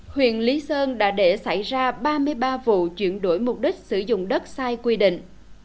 huyện lý sơn đã để xảy ra ba mươi ba vụ chuyển đổi mục đích sử dụng đất sai quy định